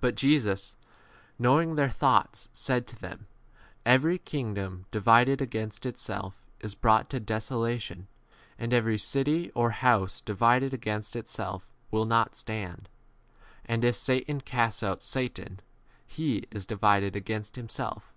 But Jesus, knowing their thoughts, said to them, Every kingdom di vided against itself is brought to desolation, and every city or house divided against itself will 2d not stand. And if Satan casts out Satan, he is divided against himself.